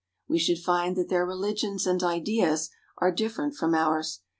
We should find that their religions and ideas are different from ours.